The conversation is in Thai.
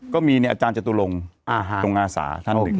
ก็มีเนี่ยอาจารย์จตุลงตรงอาสา